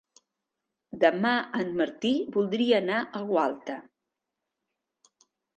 Demà en Martí voldria anar a Gualta.